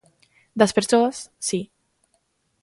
Das persoas, si.